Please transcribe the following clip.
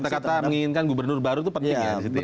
kata kata menginginkan gubernur baru itu penting ya